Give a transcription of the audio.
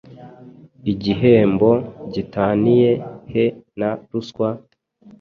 Igihembo gitaniye he na ruswa?